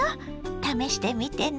試してみてね。